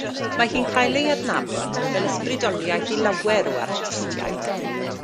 Mae hi'n cael ei hadnabod fel ysbrydoliaeth i lawer o artistiaid.